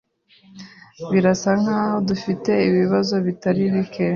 Birasa nkaho dufite ibibazo bitari bike.